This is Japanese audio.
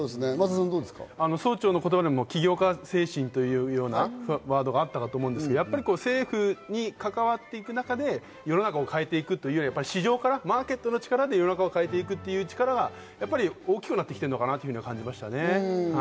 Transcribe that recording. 総長の言葉でも起業家精神というようなワードがあったかと思うんですけど、政府に関わっていく中で、世の中を変えていくというよりか、市場から世の中を変えていくという力が大きくなってきているのかなと感じましたね。